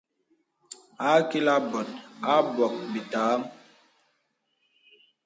Ākilā bòt ābok itə̀rən.